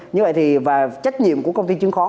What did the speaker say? như vậy thì và trách nhiệm của công ty chứng khoán